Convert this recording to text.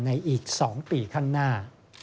อีก๒ปีข้างหน้า